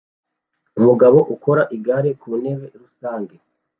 Umugabo ukora igare ku ntebe rusange